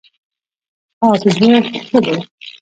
پاک زړه ښه دی.